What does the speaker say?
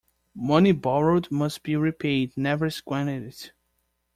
Money borrowed must be repaid, never squander it.